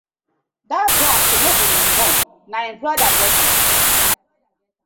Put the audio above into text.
Dat bunk no be im own, na im brother get am.